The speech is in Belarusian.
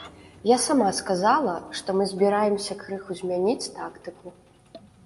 Я сама сказала, што мы збіраемся крыху змяніць тактыку.